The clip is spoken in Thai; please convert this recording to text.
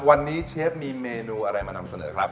วันนี้เชฟมีเมนูอะไรมานำเสนอครับ